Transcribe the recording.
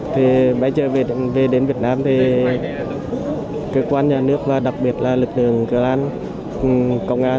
thì bây giờ về đến việt nam thì cơ quan nhà nước và đặc biệt là lực lượng công an